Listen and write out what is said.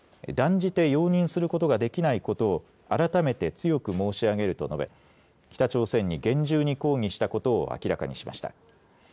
断じて容認することができないことを改めて強く申し上げると述べ北朝鮮に厳重に抗議したことを明らかにしました。